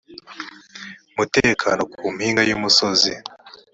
mutekano ku mpinga y umusozi